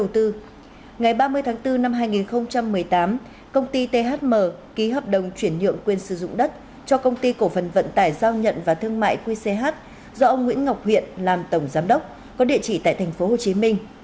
ngày ba mươi tháng bốn năm hai nghìn một mươi tám công ty thm ký hợp đồng chuyển nhượng quyền sử dụng đất cho công ty cổ phần vận tải giao nhận và thương mại qch do ông nguyễn ngọc huyện làm tổng giám đốc có địa chỉ tại thành phố hồ chí minh